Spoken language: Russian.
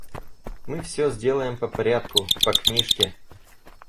Мы всё сделаем по порядку, по книжке.